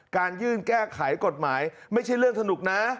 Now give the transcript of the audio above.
การยื่นแก้ไขกฎหมายไม่ใช่เรื่องสนุกนะ